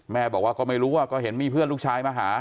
แม่บอกว่าก็ไม่รู้ว่าก็เห็นมีเพื่อนลูกชายมาหา